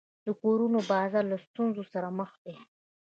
د کورونو بازار له ستونزو سره مخ دی.